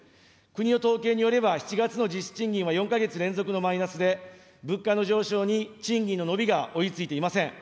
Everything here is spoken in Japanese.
国の統計によれば、７月の実質賃金は４か月連続のマイナスで、物価の上昇に賃金の伸びが追いついていません。